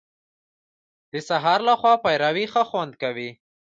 د سهار له خوا پېروی ښه خوند کوي .